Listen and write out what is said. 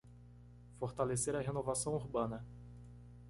Fortalecer a renovação urbana